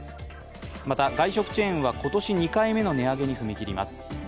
また、外食チェーンは今年２回目の値上げに踏み切ります。